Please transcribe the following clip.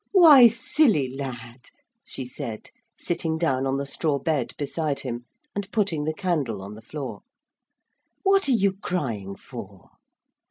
'Why, silly lad,' she said, sitting down on the straw bed beside him and putting the candle on the floor, 'what are you crying for?'